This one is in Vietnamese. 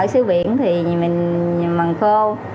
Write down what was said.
ở xứ biển thì mình mặn khô